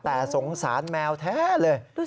แต่สงสารแมวแท้เลย